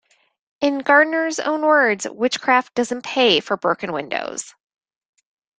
In Gardner's own words, Witchcraft doesn't pay for broken windows!